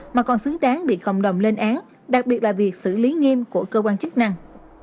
mà còn xứng đáng bị cộng đồng lên án đặc biệt là việc xử lý nghiêm của cơ quan chức năng